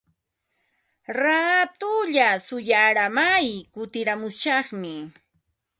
Raatulla shuyaaramay kutiramushaqmi.